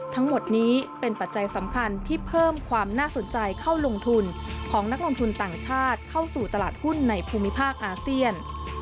ทั้งหมดนี้เป็นปัจจัยสำคัญที่เพิ่มความน่าสนใจเข้าลงทุนของนักลงทุนต่างชาติเข้าสู่ตลาดหุ้นในภูมิภาคอาเซียน